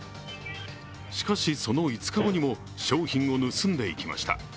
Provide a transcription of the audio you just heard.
しかし、その５日後にも商品を盗んでいきました。